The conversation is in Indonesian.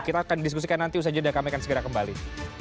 kita akan diskusikan nanti usaha jeda kami akan segera kembali